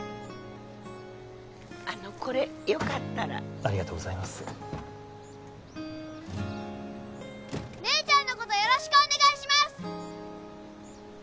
あのこれよかったらありがとうございます姉ちゃんのことよろしくお願いします